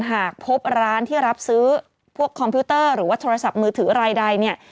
หากพบร้านที่รับซื้อพวกคอมพิวเตอร์หรือว่าโทรศัพท์มือถือรายใดเนี่ย